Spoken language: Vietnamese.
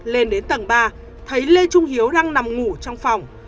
lên đến tầng ba thấy lê trung hiếu đang nằm ngủ trong phòng